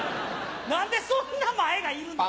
何でそんな前がいるのよ？